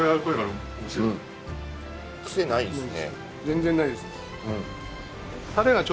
全然ないです。